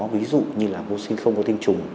ví dụ như là vô sinh không có tinh trùng